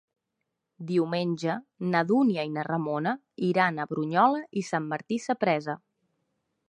Diumenge na Dúnia i na Ramona iran a Brunyola i Sant Martí Sapresa.